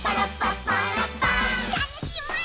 たのしい